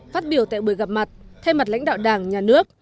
phát biểu tại buổi gặp mặt thay mặt lãnh đạo đảng nhà nước